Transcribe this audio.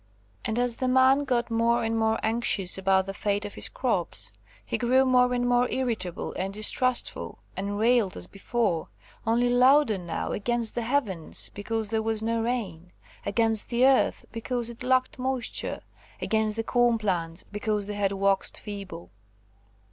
And as the man got more and more anxious about the fate of his crops, he grew more and more irritable and distrustful, and railed as before, only louder now, against the heavens, because there was no rain; against the earth, because it lacked moisture; against the corn plants, because they had waxed feeble.